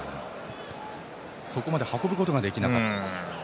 そこまで運ぶことができなかった。